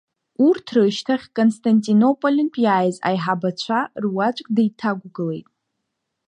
Урҭ рышьҭахь Константинопольнтә иааз аиҳабацәа руаӡәк деиҭақәгылеит…